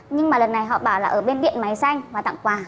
nhưng mà lần này họ bảo là ở bên điện máy xanh và tặng quà